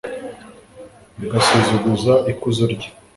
bigasuzuguza ikuzo rye